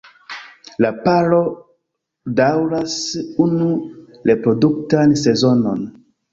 La paro daŭras unu reproduktan sezonon.